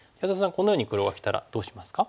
このように黒がきたらどうしますか？